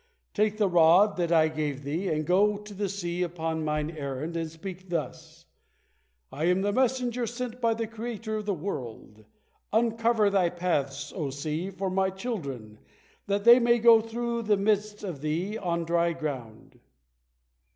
Take the rod that I gave unto thee, and go to the sea upon Mine errand, and speak thus: 'I am the messenger sent by the Creator of the world! Uncover thy paths, O sea, for My children, that they may go through the midst of thee on dry ground.'"